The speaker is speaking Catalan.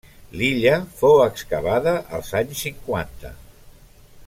L'illa fou excavada als anys cinquanta.